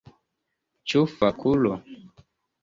Ĉu fakulo?